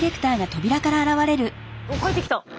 おっ帰ってきた！